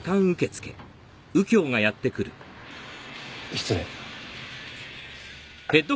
失礼。